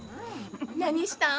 何したん？